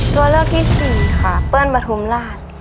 ตัวเลือกที่สี่ค่ะเบิ้ลประทุมราช